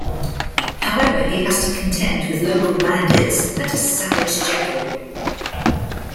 However, he has to contend with local bandits and a savage jaguar.